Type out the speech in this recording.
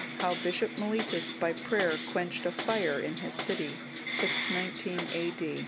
How Bishop Mellitus by prayer quenched a fire in his city. [619 A.